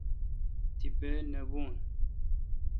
تیپہ نہ بھو۔